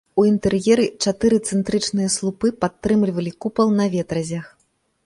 У інтэр'еры чатыры цэнтрычныя слупы падтрымлівалі купал на ветразях.